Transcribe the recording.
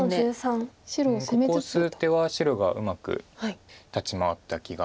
ここ数手は白がうまく立ち回った気が。